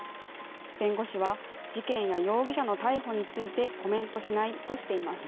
弁護士は事件や容疑者の逮捕についてコメントしないとしています。